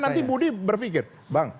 nanti budi berpikir bang